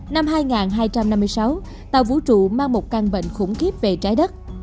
năm hai nghìn hai trăm năm mươi sáu tàu vũ trụ mang một căn bệnh khủng khiếp về trái đất